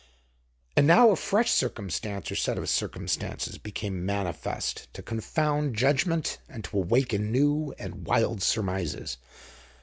And now a fresh circumstance or set of circumstances became manifest to confound judgment and to awaken new and wild surmises.